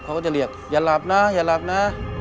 เขาก็จะเรียกอย่าหลับนะอย่าหลับนะ